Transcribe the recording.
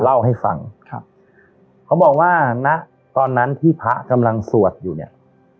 เล่าให้ฟังครับเขาบอกว่าณตอนนั้นที่พระกำลังสวดอยู่เนี่ย